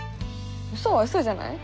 ウソはウソじゃない？